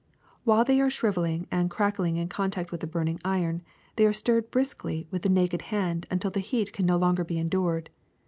While they are shrivel ing and crackling in contact with the burning iron, they are stirred briskly with the naked hand until the heat can no longer be endured.